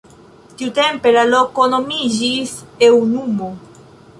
Tiutempe la loko nomiĝis Eŭnumo.